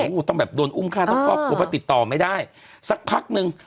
โอ้โหต้องแบบโดนอุ้มฆ่าต้องกลับเพราะว่าติดต่อไม่ได้สักพักนึง